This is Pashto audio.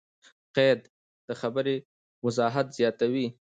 قید؛ د خبري وضاحت زیاتوي.